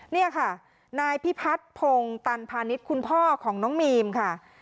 นี่ค่ะนายพิพัฒน์พงศ์ตันพาณิชย์คุณพ่อของน้องมีมค่ะ